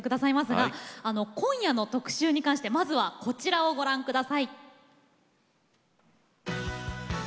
今夜の特集まずはこちらをご覧ください。